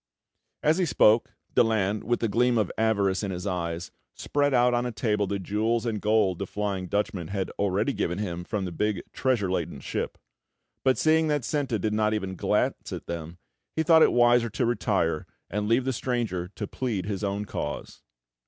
As he spoke, Daland, with the gleam of avarice in his eyes, spread out on a table the jewels and gold the Flying Dutchman had already given him from big treasure laden ship; but seeing that Senta did not even glance at them, he thought it wiser to retire, and leave the stranger to plead his own cause.